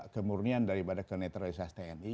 kemurnian daripada kenetralisas tni